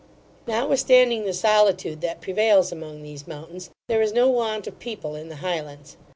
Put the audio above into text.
Notwithstanding the solitude that prevails among these mountains, there is no want of people in the Highlands.